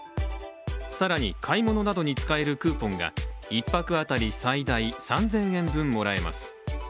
更に、買い物などに使えるクーポンが１泊当たり最大３０００円もらえます。